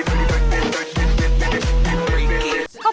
ขนมตาล